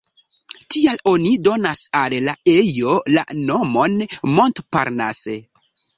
Tial oni donas al la ejo la nomon "Montparnasse.